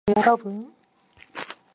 신사 숙녀 여러분!